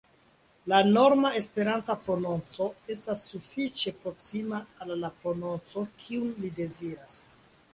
La norma Esperanta prononco estas sufiĉe proksima al la prononco kiun li deziras.